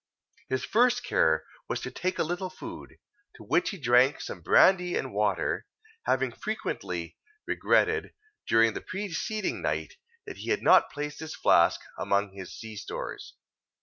His first care was to take a little food, to which he drank some brandy and water, having frequently regretted, during the preceding night, that he had not placed this flask among his sea stores.